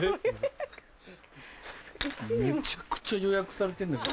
めちゃくちゃ予約されてんだけど。